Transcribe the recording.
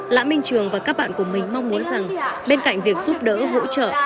lã minh trường và các bạn của mình mong muốn rằng bên cạnh việc giúp đỡ hỗ trợ